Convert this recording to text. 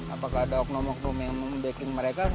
apakah ada oknum oknum yang membacking mereka